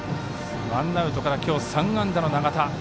ワンアウトから今日３安打の長田。